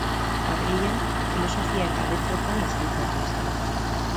Madrilen, Filosofia eta Letretan lizentziatu zen.